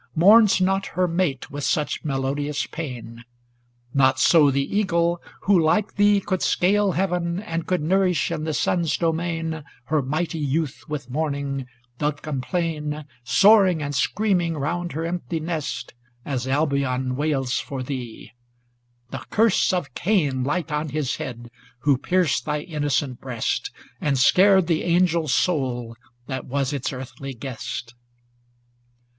Mourns not her mate with such melo dious pain; Not so the eagle, who like thee could scale Heaven, and could nourish in the sun's domain Her mighty youth with morning, doth complain, Soaring and screaming round her empty nest, As Albion wails for thee: the curse of Cain Light on his head who pierced thy inno cent breast, And scared the angel soul that was its earthly guest